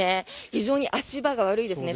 非常に足場が悪いですね。